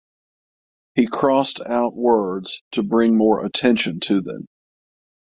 He crossed out words to bring more attention to them.